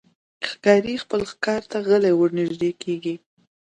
ښکاري خپل ښکار ته غلی ورنژدې کېږي.